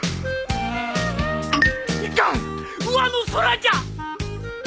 いかん上の空じゃ！